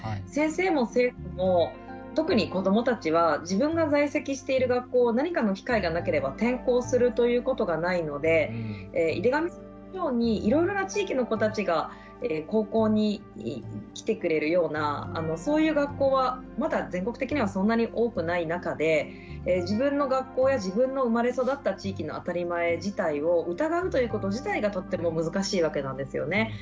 先生も生徒も特に子どもたちは自分が在籍している学校を何かの機会がなければ転校するということがないので井手上さんのようにいろいろな地域の子たちが高校に来てくれるようなそういう学校はまだ全国的にはそんなに多くない中で自分の学校や自分の生まれ育った地域の当たり前自体を疑うということ自体がとっても難しいわけなんですよね。